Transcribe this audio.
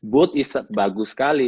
both is bagus sekali